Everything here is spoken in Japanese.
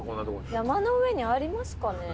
山の上にありますかね？